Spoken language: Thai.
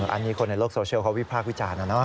อันนี้คนในโลกโซเชียลเขาวิพากษ์วิจารณ์นะเนอ